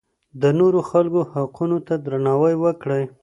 د نورو خلکو حقونو ته درناوی وکړئ.